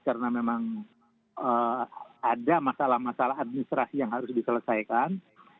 karena memang ada masalah masalah administrasi yang harus diselesaikan